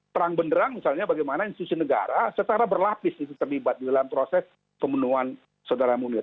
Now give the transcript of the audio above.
terang benderang misalnya bagaimana institusi negara secara berlapis terlibat dalam proses pemenuhan saudara saudara